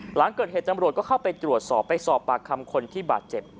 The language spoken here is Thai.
หลังเกิดเหตุตำรวจก็เข้าไปตรวจสอบไปสอบปากคำคนที่บาดเจ็บ